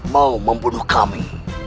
mau membunuh kami